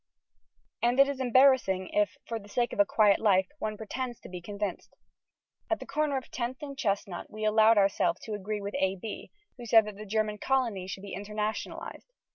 And it is embarrassing if, for the sake of a quiet life, one pretends to be convinced. At the corner of Tenth and Chestnut we allowed ourself to agree with A.B., who said that the German colonies should be internationalized.